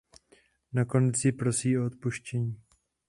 Nakonec ji prosí o odpuštění.